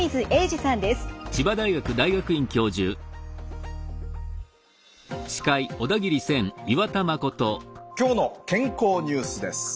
「きょうの健康」ニュースです。